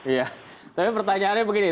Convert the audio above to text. iya tapi pertanyaannya begini